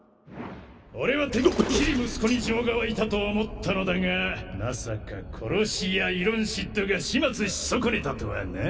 俺はてっきり息子に情が湧いたと思ったのだがまさか殺し屋イロンシッドが始末し損ねたとはなあ